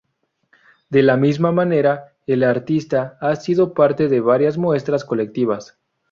De la misma manera el artista ha sido parte de varias muestras colectivas.